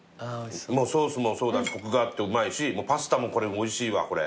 もうソースもそうだしコクがあってうまいしパスタもこれおいしいわこれ。